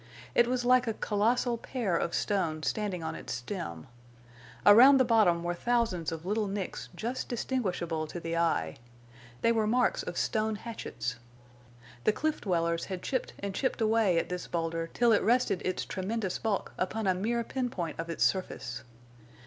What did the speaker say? It was like a colossal pear of stone standing on its stem. Around the bottom were thousands of little nicks just distinguishable to the eye. They were marks of stone hatchets. The cliff dwellers had chipped and chipped away at this boulder till it rested its tremendous bulk upon a mere pin point of its surface.